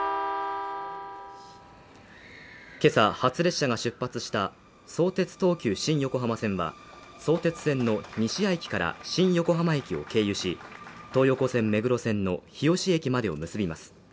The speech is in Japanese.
今朝初列車が出発した相鉄東急新横浜線は相鉄線の西谷駅から新横浜駅を経由し、東横線目黒線の日吉駅までを結びます。